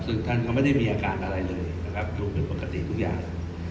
ซึ่งท่านก็ไม่ได้มีอาการอะไรเลยนะครับดูเป็นปกติทุกอย่าง